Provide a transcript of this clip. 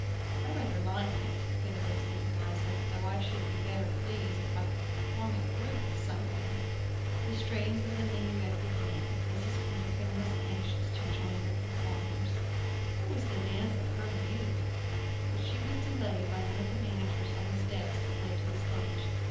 "I rather like it," said Elizabeth Eliza, "though I should be better pleased if I could form a group with some one." The strains of the minuet began. Mrs. Peterkin was anxious to join the performers. It was the dance of her youth. But she was delayed by one of the managers on the steps that led to the stage.